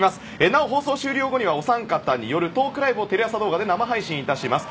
なお、放送終了後にはお三方によるトークライブをテレ朝動画で生配信します。